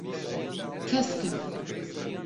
Kesk in.